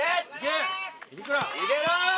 入れろ！